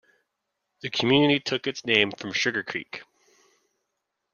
The community took its name from Sugar Creek.